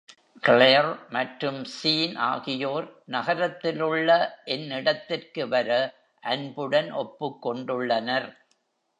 Claire மற்றும்Sean ஆகியோர் நகரத்திலுள்ள என் இடத்திற்கு வர அன்புடன் ஒப்புக் கொண்டுள்ளனர்.